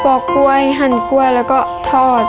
อกกล้วยหั่นกล้วยแล้วก็ทอด